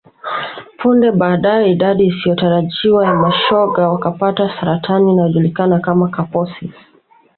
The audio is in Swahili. Punde baadae idadi isiyotarajiwa ya mashoga wakapata saratani inayojulikana kama Kaposis